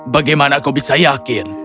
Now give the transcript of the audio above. bagaimana kau bisa yakin